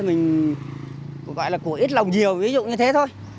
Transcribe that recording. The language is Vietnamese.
mình gọi là của ít lòng nhiều ví dụ như thế thôi